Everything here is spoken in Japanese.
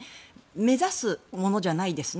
目指すものじゃないですね。